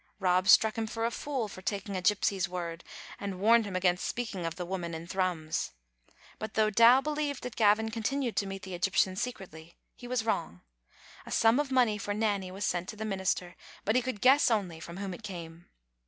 Rob struck him for a fool for taking a gypsy's word, and warned him against speaking of the woman in Thrums. But though Dow believed that Gavin continued to meet the Egyptian secretly, he was wrong. A sum ot money for Nanny was sent to the minister, but he could guess only from whom it came.